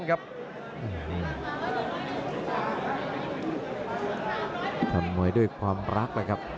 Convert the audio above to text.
ทำมวยด้วยความรัก